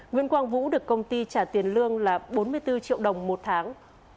nguyễn quang vũ được công ty trả tiền lương là bốn mươi bốn triệu đồng một tháng